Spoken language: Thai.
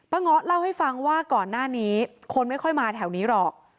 เงาะเล่าให้ฟังว่าก่อนหน้านี้คนไม่ค่อยมาแถวนี้หรอก